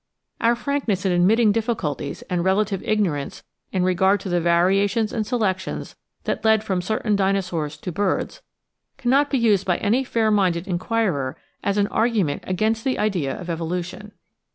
Our frankness in admitting difficulties and relative ignorance in regard to the variations and selections that led from certain Dinosaurs to Birds cannot be used by any fair minded inquirer as an argument against the idea of evolution.